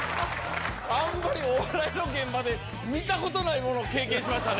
あんまりお笑いの現場で見たことないものを経験しましたね。